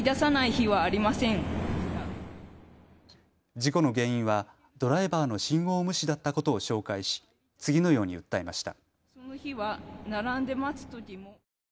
事故の原因はドライバーの信号無視だったことを紹介し次のように訴えました。